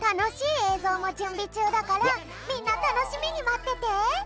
ぞうもじゅんびちゅうだからみんなたのしみにまってて！